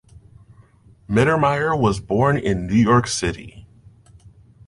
Mittermeier was born in New York City.